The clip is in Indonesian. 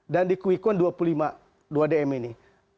dan di kuikun dua puluh lima dua dm ini